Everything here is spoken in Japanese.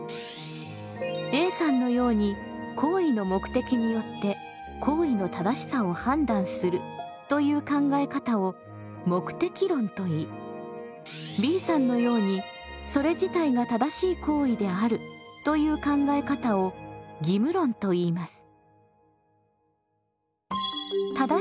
Ａさんのように行為の目的によって行為の正しさを判断するという考え方を目的論といいＢさんのようにそれ自体が正しい行為であるという考え方を義務論といいます。